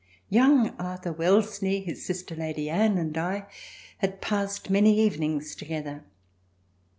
Young Arthur Wellesley, his sister Lady Anne and I had passed many evenings together.